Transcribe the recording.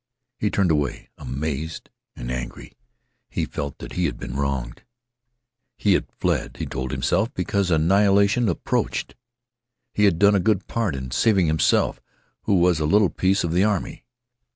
He turned away amazed and angry. He felt that he had been wronged. He had fled, he told himself, because annihilation approached. He had done a good part in saving himself, who was a little piece of the army.